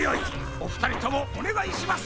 おふたりともおねがいします！